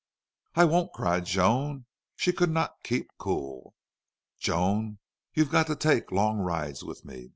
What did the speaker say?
"I won't!" cried Joan. She could not keep cool. "Joan, you've got to take long rides with me.